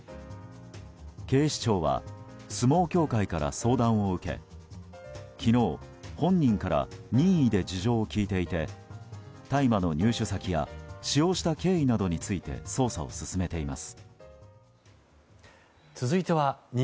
警視庁は相撲協会から相談を受け昨日、本人から任意で事情を聴いていて大麻の入手先や使用した経緯などについて捜査を進めています。